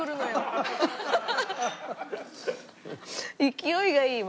勢いがいいわ。